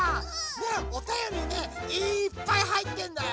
ねえおたよりねいっぱいはいってんだよ！